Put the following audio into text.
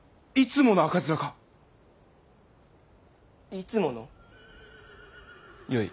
いつもの？よい。